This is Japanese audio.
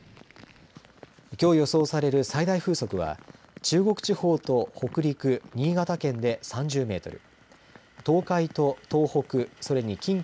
きょう予想される最大風速は中国地方と北陸新潟県で３０メートル